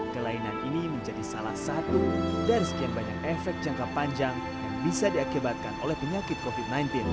kelainan ini menjadi salah satu dari sekian banyak efek jangka panjang yang bisa diakibatkan oleh penyakit covid sembilan belas